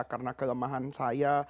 karena kelemahan saya